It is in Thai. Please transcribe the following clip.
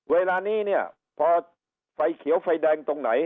เวลานี้เนี่ยพอไฟเขียวไฟแดงตรงไหน